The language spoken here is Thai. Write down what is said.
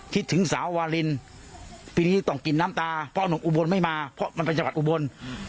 คิดถึงสาววาลินปีนี้ต้องกินน้ำตาเพราะหนุ่มอุบลไม่มาเพราะมันเป็นจังหวัดอุบล